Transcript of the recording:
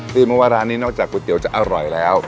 มาว่าร้านนี้นอกจากก๋วยเตี๋ยจะอร่อยแล้ว